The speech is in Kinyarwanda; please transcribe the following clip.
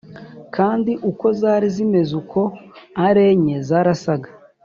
Kandi uko zari zimeze uko ari enye zarasaga